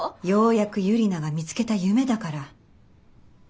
ようやくユリナが見つけた夢だから。